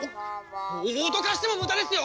お脅かしても無駄ですよ！